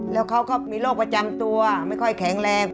แล้วเขาก็มีโรคประจำตัวไม่ค่อยแข็งแรง